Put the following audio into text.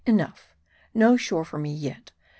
Enough : no shore for me yet.